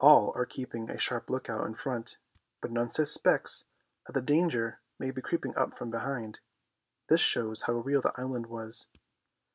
All are keeping a sharp look out in front, but none suspects that the danger may be creeping up from behind. This shows how real the island was.